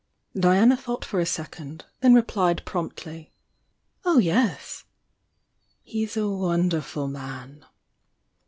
Diana thought for a second, — then replied promptly : "Oh, yes!" "He's a wonderful man